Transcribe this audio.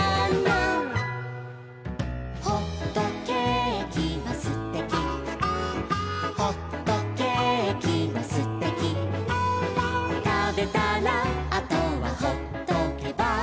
「ほっとけーきはすてき」「ほっとけーきはすてき」「たべたらあとはほっとけば」